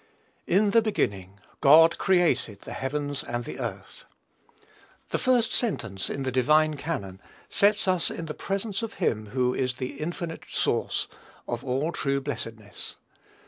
"In the beginning, God created the heavens and the earth." The first sentence in the divine canon sets us in the presence of him who is the infinite source of all true blessedness.